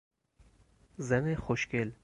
زن خوشگل